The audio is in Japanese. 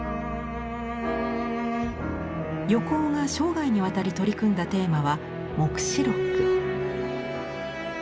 横尾が生涯にわたり取り組んだテーマは「黙示録」。